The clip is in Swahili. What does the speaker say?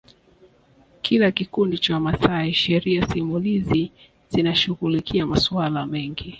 kila kikundi cha Wamasai Sheria simulizi zinashughulikia masuala mengi